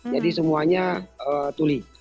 jadi semuanya tuli